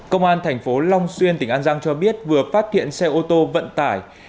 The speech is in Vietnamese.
công an thành phố long xuyên tỉnh an giang cho biết vừa phát hiện xe ô tô vận tải